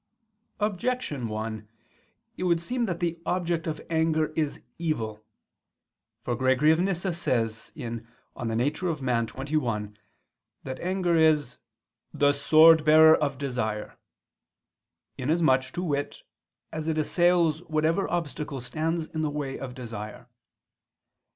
Objection 1: It would seem that the object of anger is evil. For Gregory of Nyssa says [*Nemesius, De Nat. Hom. xxi.] that anger is "the sword bearer of desire," inasmuch, to wit, as it assails whatever obstacle stands in the way of desire.